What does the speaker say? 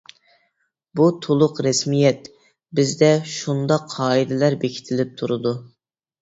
بۇ تولۇق رەسمىيەت. بىزدە شۇنداق قائىدىلەر بېكىتىلىپ تۇرىدۇ.